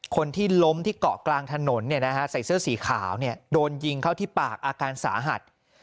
คนที่ล้มที่เกาะกลางถนนใส่เสื้อสีขาวโดนยิงเข้าที่ปากอาการสาหัส